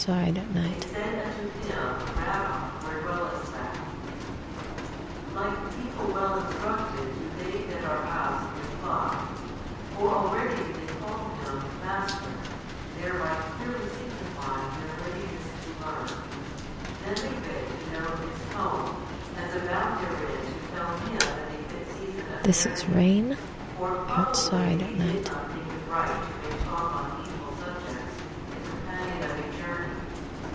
They said unto Him, Rabbi, where dwellest Thou? Like people well instructed do they that are asked reply. For already do they call Him, Master, thereby clearly signifying their readiness to learn. Then they beg to know His home, as about therein to tell Him at a fit season of their need. For probably they did not think it right to make talk on needful subjects the companion of a journey.